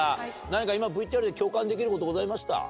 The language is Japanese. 何か今ＶＴＲで共感できることございました？